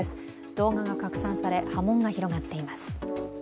動画が拡散され、波紋が広がっています。